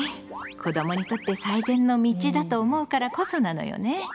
子どもにとって最善の道だと思うからこそなのよね。